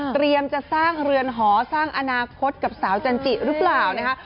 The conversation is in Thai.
เตรียมจะสร้างเรือนหอสร้างอนาคตกับสาวจันจิหรือเปล่านะคะ